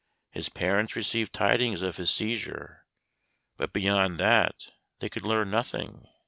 His parents received tidings of his seizure, but beyond that they could learn nothing.